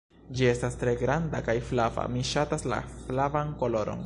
"Ĝi estas tre granda kaj flava. Mi ŝatas la flavan koloron."